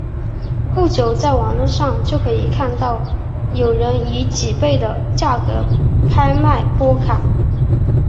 不久在网络上就可以看到有人以几倍的价格拍卖波卡。